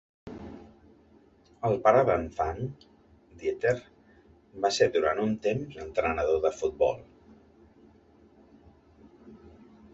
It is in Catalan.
El pare d'Anfang, Dieter, Va ser durant un temps entrenador de futbol.